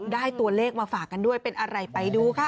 ได้ตัวเลขมาฝากกันด้วยเป็นอะไรไปดูค่ะ